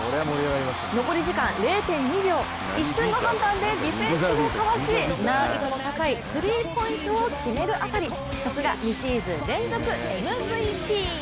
残り時間０．２秒、一瞬の判断でディフェンスをかわし難易度の高いスリーポイントを決めるあたり、さすが２シーズン連続ＭＶＰ。